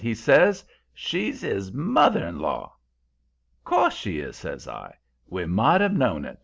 he says; 'she's 'is mother in law!' "''Course she is!' says I. 'We might have known it!'"